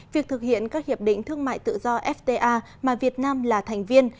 việc thực hiện các hiệp định thương mại tự do fta mà việt nam là thành viên